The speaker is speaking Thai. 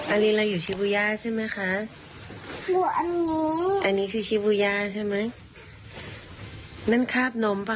โอ้น่ารักมากเลยนะคะ